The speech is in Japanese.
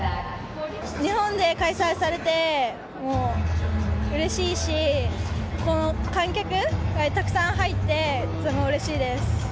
日本で開催されてうれしいし、この観客がたくさん入ってすごい嬉しいです。